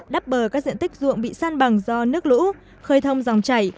đắp bờ các diện tích ruộng bị san bằng do nước lũ khơi thông dòng chảy